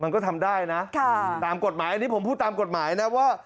มันก็ทำได้นะตามกฎหมายอันนี้ผมพูดตามกฎหมายนะว่า